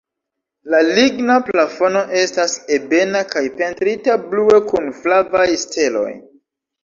La ligna plafono estas ebena kaj pentrita blue kun flavaj steloj.